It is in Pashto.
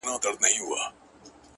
o کاڼی مي د چا په لاس کي وليدی؛